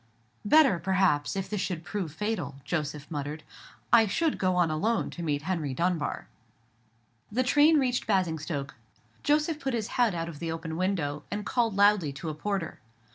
"Better, perhaps, if this should prove fatal," Joseph muttered; "I should go on alone to meet Henry Dunbar." The train reached Basingstoke; Joseph put his head out of the open window, and called loudly to a porter.